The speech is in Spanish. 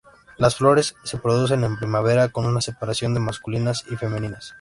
Las flores se producen en primavera, con una separación de masculinas y femeninas.